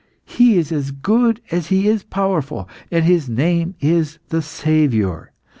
He is as good as He is powerful, and His name is the Saviour.